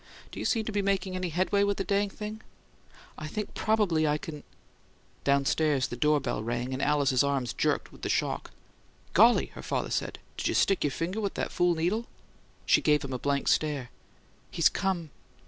Do you seem to be making any headway with the dang thing?" "I think probably I can " Downstairs the door bell rang, and Alice's arms jerked with the shock. "Golly!" her father said. "Did you stick your finger with that fool needle?" She gave him a blank stare. "He's come!"